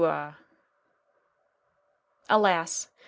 Alas!